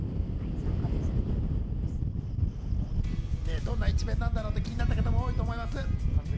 どんな一面なんだろう？って気なった方も多いと思います。